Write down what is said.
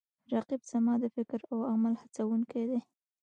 رقیب زما د فکر او عمل هڅوونکی دی